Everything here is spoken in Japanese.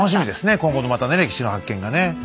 今後のまたね歴史の発見がね。